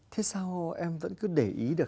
thế sao em vẫn cứ để ý được